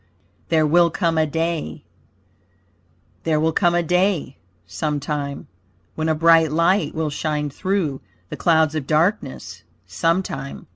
THERE WILL COME A DAY There will come a day, sometime, When a bright light will shine through The clouds of darkness, sometime.